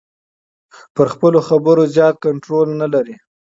پر خپلو خبرو زیات کنټرول نلري.